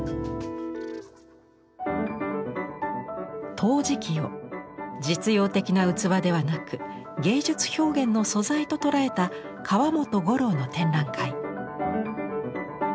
陶磁器を実用的な器ではなく芸術表現の素材と捉えた河本五郎の展覧会。